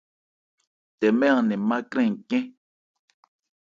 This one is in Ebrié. Tɛmɛ̂ an nɛ̂n má krɛn ncɛ́n.